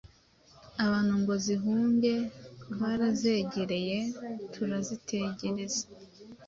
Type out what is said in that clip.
abantu ngo zihunge. Twarazegereye turazitegereza